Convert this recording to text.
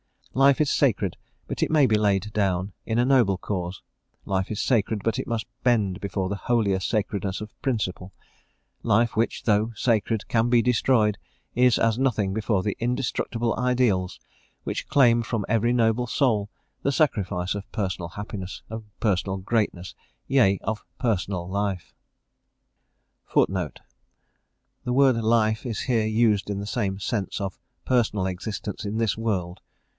Life is sacred, but it may be laid down in a noble cause; life is sacred, but it must bend before the holier sacredness of principle; life which, though sacred, can be destroyed, is as nothing before the indestructible ideals which claim from every noble soul the sacrifice of personal happiness, of personal greatness, yea, of personal life.* * The word "life" is here used in the sense of "personal existence in this world."